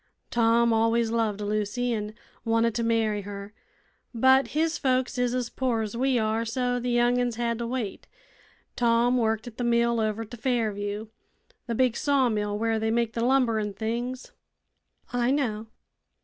Tom always loved Lucy, an' wanted to marry her; but his folks is as poor as we are, so the young 'uns had to wait. Tom worked at the mill over t' Fairview the big saw mill where they make the lumber an' things." "I know."